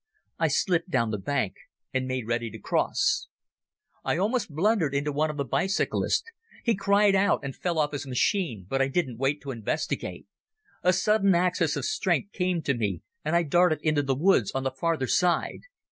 I slipped down the bank and made ready to cross. I almost blundered into one of the bicyclists. He cried out and fell off his machine, but I didn't wait to investigate. A sudden access of strength came to me and I darted into the woods on the farther side.